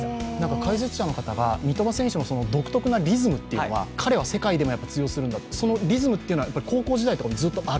解説者の方は、三笘選手の独特なリズムというのは彼は世界でも通用するんだってリズムは高校時代から？